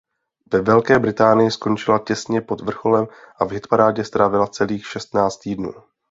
Ve Velké Británii skončila těsně pod vrcholem a v hitparádě strávila celých šestnáct týdnů.